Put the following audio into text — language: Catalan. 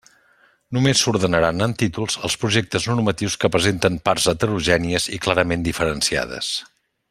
Només s'ordenaran en títols els projectes normatius que presenten parts heterogènies i clarament diferenciades.